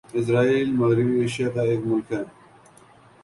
اسرائیل مغربی ایشیا کا ایک ملک ہے